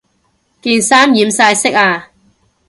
件衫染晒色呀